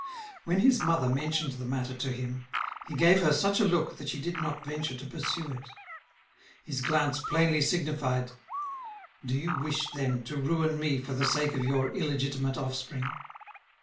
When his mother mentioned the matter to him, he gave her such a look that she did not venture to pursue it. His glance plainly signified, "Do you wish, then, to ruin me for the sake of your illegitimate offspring?"